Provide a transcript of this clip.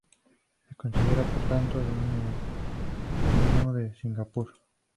Se considera por tanto de un endemismo de Singapur.